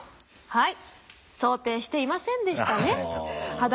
はい。